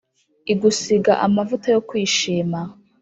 Igusiga amavuta yo kwishima